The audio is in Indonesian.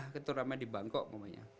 keturamanya di bangkok makanya